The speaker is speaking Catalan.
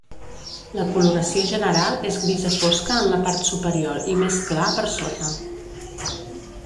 La coloració general és grisa fosca en la part superior i més clar per sota.